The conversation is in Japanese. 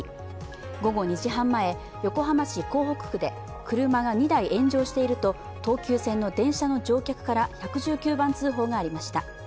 午後２時半前、横浜市港北区で車が２台炎上していると東急線の電車の乗客から１１９番通報がありました。